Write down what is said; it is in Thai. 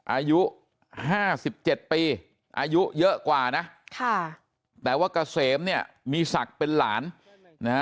อายุ๕๗ปีอายุเยอะกว่านะแต่ว่ากะเสมเนี่ยมีศักดิ์เป็นหลานนะฮะ